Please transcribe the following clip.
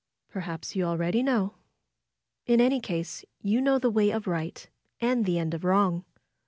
Perhaps you already know. In any case you know the way of right; and the end of wrong.